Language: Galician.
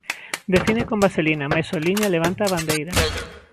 Define con vaselina, mais o liña levanta a bandeira.